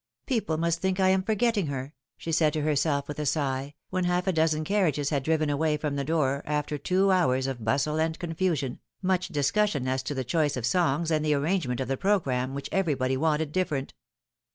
" People must think I am forgetting her," she said to her self with a sigh, when half a dozen carriages had driven away from the door, after two hours of bustle and confusion, much discussion as to the choice of songs and the arrangement of the programme, which everybody wanted different.